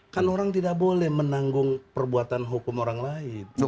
kan orang tidak boleh menanggung perbuatan hukum orang lain